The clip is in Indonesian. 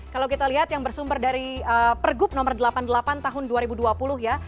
kalau kita lihat yang bersumber dari pergub nomor delapan puluh delapan tahun dua ribu dua puluh ya